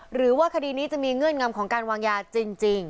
หรือว่าคดีนี้จะมีเงื่อนงำของการวางยาจริง